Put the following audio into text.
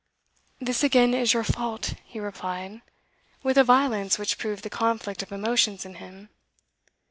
'This again is your fault,' he replied, with a violence which proved the conflict of emotions in him.